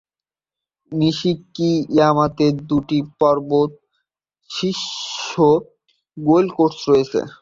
নিশিকি-ইয়ামাতে দুটি পর্বত শীর্ষ গলফ কোর্স রয়েছে।